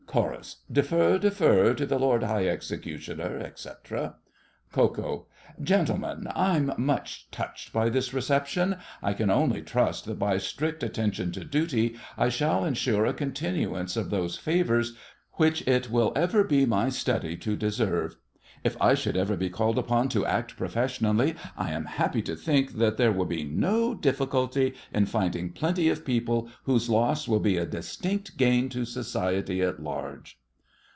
CHORUS. Defer, defer, To the Lord High Executioner, etc. KO. Gentlemen, I'm much touched by this reception. I can only trust that by strict attention to duty I shall ensure a continuance of those favours which it will ever be my study to deserve. If I should ever be called upon to act professionally, I am happy to think that there will be no difficulty in finding plenty of people whose loss will be a distinct gain to society at large.